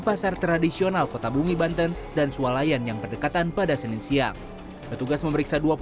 pasar tradisional kota bumi banten dan sualayan yang berdekatan pada senin siang petugas memeriksa